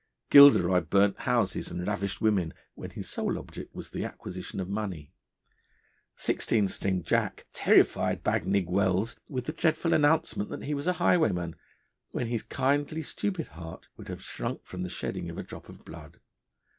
Gilderoy burnt houses and ravished women, when his sole object was the acquisition of money. Sixteen String Jack terrified Bagnigge Wells with the dreadful announcement that he was a highwayman, when his kindly, stupid heart would have shrunk from the shedding of a drop of blood.